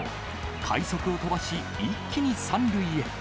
快足を飛ばし、一気に３塁へ。